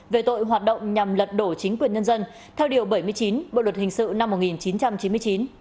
về tội hoạt động nhằm lật đổ chính quyền nhân dân theo điều bảy mươi chín bộ luật hình sự năm một nghìn chín trăm chín mươi chín